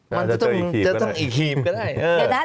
มันจะต้องอีกหีบก็ได้